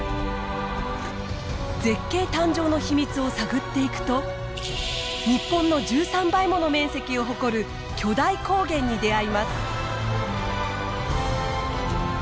絶景誕生の秘密を探っていくと日本の１３倍もの面積を誇る巨大高原に出会います。